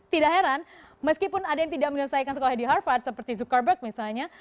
tidak heran meskipun ada yang tidak menyelesaikan sekolah di harvard seperti zuckerberg misalnya